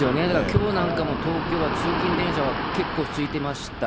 きょうなんかも東京は通勤電車は結構すいてました。